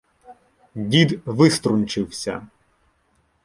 Дід виструнчився.